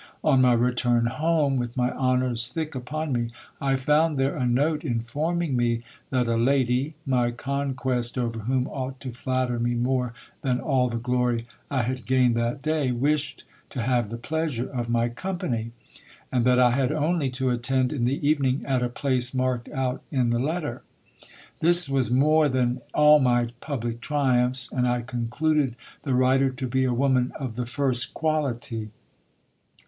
On my return home, with my honours thick upon me, I found there a note, informing me that a lady, my conquest over whom ought to flatter me more than all the glory I had gained that day, wished to have the pleasure of my company ; and that I had only to attend in the evening, at a place marked out in the letter. This was more than all my public triumphs, and I concluded the writer to be a woman of the first quality.